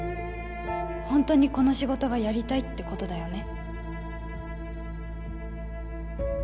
ホントにこの仕事がやりたいってことだよね？